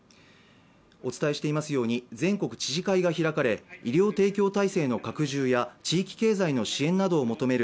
お伝えしていますように全国知事会が開かれ、医療提供体制の拡充や地域経済の支援などを求める